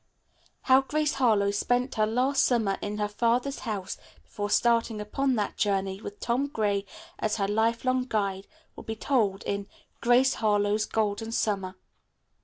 How Grace Harlowe spent her last summer in her father's house before starting upon that journey, with Tom Gray as her life long guide, will be told in "Grace Harlowe's Golden Summer."